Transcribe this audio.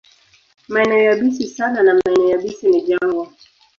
Maeneo yabisi sana na maeneo yabisi ni jangwa.